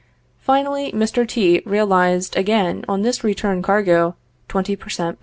Finally, Mr. T... realized again on this return cargo twenty per cent.